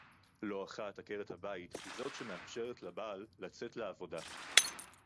לא אחת עקרת-הבית היא זאת שמאפשרת לבעל לצאת לעבודה